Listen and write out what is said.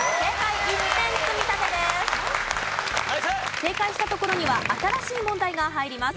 正解したところには新しい問題が入ります。